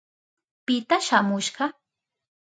¿Pita shamushka?